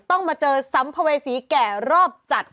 ต้องมาเจอซ้ำภาวิสีแก่รอบจัด